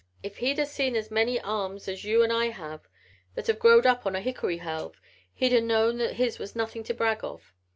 If he'd a seen as many arms as you an' I have that have growed up on a hickory helve he'd a known that his was nothing to brag of.